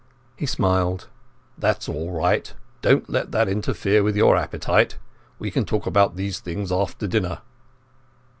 He smiled. "That's all right. Don't let that interfere with your appetite. We can talk about these things after dinner."